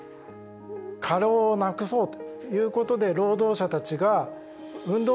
過労をなくそうということで労働者たちが運動を始めました。